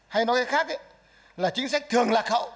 hay nói cái khác là chính sách thường lạc hậu